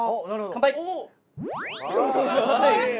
乾杯。